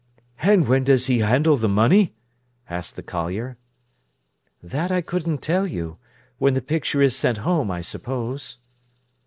"And when does he handle th' money?" asked the collier. "That I couldn't tell you. When the picture is sent home, I suppose."